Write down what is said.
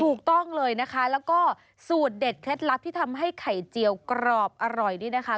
ถูกต้องเลยนะคะแล้วก็สูตรเด็ดเคล็ดลับที่ทำให้ไข่เจียวกรอบอร่อยนี่นะคะ